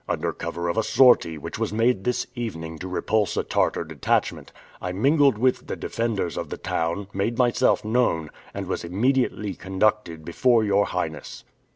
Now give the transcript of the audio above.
"Under cover of a sortie, which was made this evening to repulse a Tartar detachment. I mingled with the defenders of the town, made myself known, and was immediately conducted before your Highness."